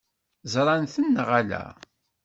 Ẓṛant-ten neɣ ala?